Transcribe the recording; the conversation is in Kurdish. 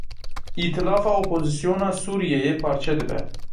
Îtilafa Opozîsyona Sûriyeyê parçe dibe.